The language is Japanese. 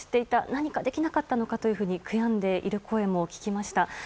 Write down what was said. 何かできなかったのかというふうに悔やんでいる声も聞きました。